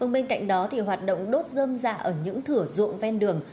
bên cạnh đó hoạt động đốt dơm dạ ở những thửa ruộng ven đường